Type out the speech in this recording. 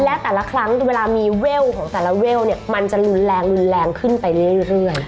และแต่ละครั้งเวลามีเวลของแต่ละเวลเนี่ยมันจะรุนแรงรุนแรงขึ้นไปเรื่อย